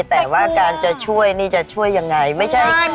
แต่ว่าการจะช่วยนี่จะช่วยยังไง